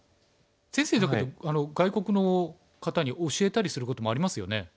先生だけど外国の方に教えたりすることもありますよね？